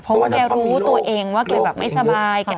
เพราะแกรู้ตัวเองไม่สบาย